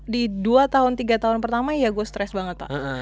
di dua tiga tahun pertama ya gue stress banget pak